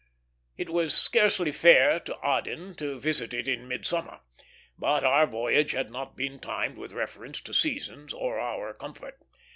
It was scarcely fair to Aden to visit it in midsummer, but our voyage had not been timed with reference to seasons or our comfort.